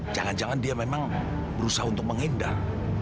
jangan jangan dia memang berusaha untuk menghindar